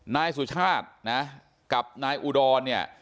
นายสุชาตินะกับนายอุดรเนี่ย